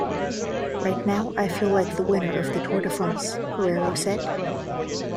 "Right now I feel like the winner of the Tour de France", Pereiro said.